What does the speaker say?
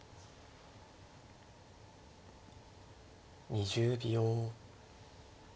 ２０秒。